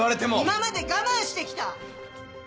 今まで我慢して来た！